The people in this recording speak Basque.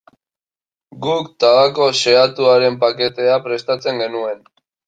Guk tabako xehatuaren paketea prestatzen genuen.